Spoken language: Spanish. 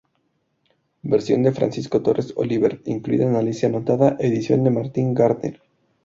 Versión de Francisco Torres Oliver, incluida en "Alicia anotada", edición de Martin Gardner.